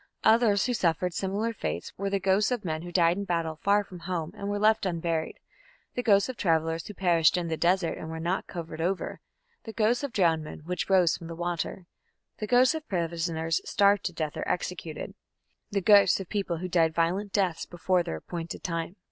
Others who suffered similar fates were the ghosts of men who died in battle far from home and were left unburied, the ghosts of travellers who perished in the desert and were not covered over, the ghosts of drowned men which rose from the water, the ghosts of prisoners starved to death or executed, the ghosts of people who died violent deaths before their appointed time.